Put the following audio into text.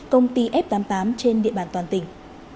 công ty f tám mươi tám trên địa bàn toàn tỉnh